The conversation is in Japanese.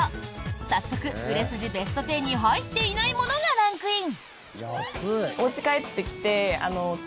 早速、売れ筋ベスト１０に入っていないものがランクイン！